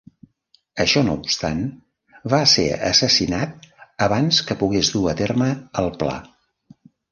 Això no obstant, va ser assassinat abans que pogués dur a terme el pla.